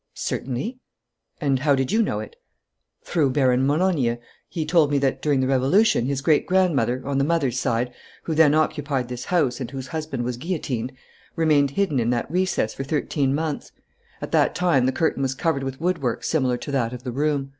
"Certainly." "And how did you know it?" "Through Baron Malonyi. He told me that, during the Revolution, his great grandmother, on the mother's side, who then occupied this house and whose husband was guillotined, remained hidden in that recess for thirteen months. At that time the curtain was covered with woodwork similar to that of the room."